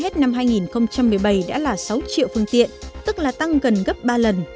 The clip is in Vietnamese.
hết năm hai nghìn một mươi bảy đã là sáu triệu phương tiện tức là tăng gần gấp ba lần